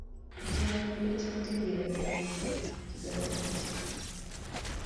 Ekiwandiiko ky'entegeeragana kigasa ki?